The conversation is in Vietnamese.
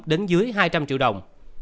đến dưới hai trăm linh triệu đồng